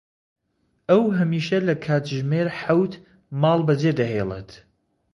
ئەو هەمیشە لە کاتژمێر حەوت ماڵ بەجێ دەهێڵێت.